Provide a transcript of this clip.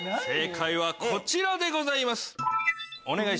正解はこちらでございます。